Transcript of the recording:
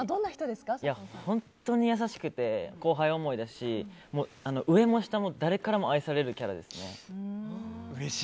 本当に優しくて後輩思いだし上も下も誰からも愛されるキャラですね。